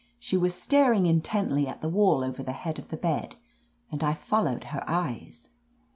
She was staring intently at the wall over the head of the bed, and I followed her eyes.